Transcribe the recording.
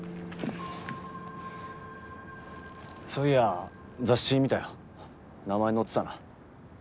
そういや雑誌見たよ。名前載ってたな。